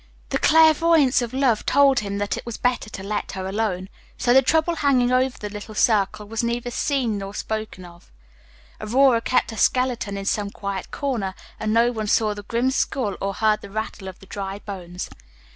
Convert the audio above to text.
The clairvoyance of love told him that it was better to let her alone. So the trouble hanging over the little circle was neither seen nor spoken of. Aurora kept Page 51 her skeleton in some quiet corner, and no one saw the grim skull, or heard the rattle of the dry bones.